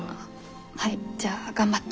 はいじゃあ頑張って。